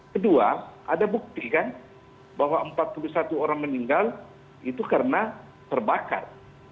kedua ada bukti kan bahwa empat puluh satu orang meninggal itu karena terbakar